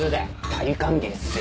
大歓迎っすよ。